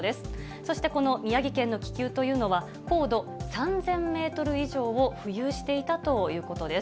そしてこの宮城県の気球というのは、高度３０００メートル以上を浮遊していたということです。